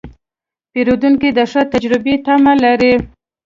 پیرودونکی د ښه تجربې تمه لري.